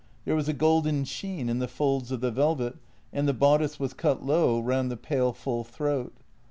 There was a golden sheen in the folds of the velvet, and the bodice was cut low round the pale, full throat.